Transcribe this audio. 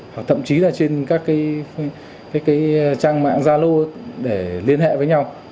hoặc thậm chí là trên các trang mạng gia lô để liên hệ với nhau